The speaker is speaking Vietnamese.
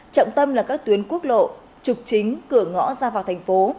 trọng tâm là các tuyến quốc lộ trục chính cửa ngõ ra vào thành phố